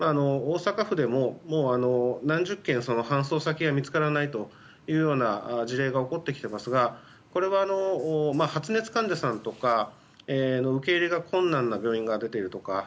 大阪府でも何十件搬送先が見つからないという事例が起こってきていますがこれは発熱患者さんとかの受け入れが困難な病院が出ているとか。